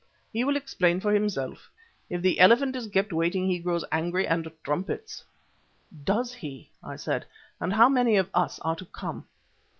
He will explain for himself. If the Elephant is kept waiting he grows angry and trumpets." "Does he?" I said. "And how many of us are to come?"